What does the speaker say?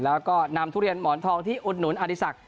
แล้วก็นำทุเรียนหมอนทองที่อุดหนุนอดีศักดิ